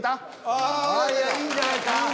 ああいいんじゃないか。